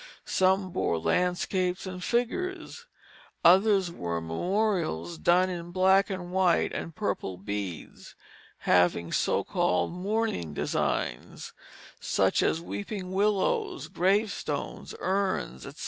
Some bore landscapes and figures; others were memorials done in black and white and purple beads, having so called "mourning designs," such as weeping willows, gravestones, urns, etc.